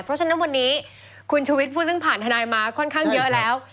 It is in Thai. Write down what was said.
เพราะฉะนั้นวันนี้คุณชุวิตพูดซึ่งผ่านทนายมาค่อนข้างเยอะแล้ว